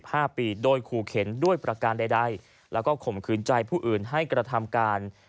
ห้าปีโดยขู่เข็นด้วยประการใดใดแล้วก็ข่มขืนใจผู้อื่นให้กระทำการ